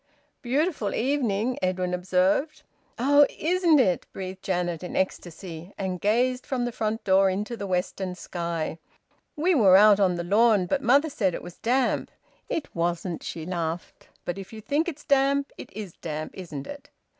"Beautiful evening," Edwin observed. "Oh! Isn't it!" breathed Janet, in ecstasy, and gazed from the front door into the western sky. "We were out on the lawn, but mother said it was damp. It wasn't," she laughed. "But if you think it's damp, it is damp, isn't it?